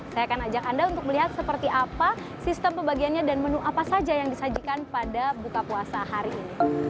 saya akan ajak anda untuk melihat seperti apa sistem pembagiannya dan menu apa saja yang disajikan pada buka puasa hari ini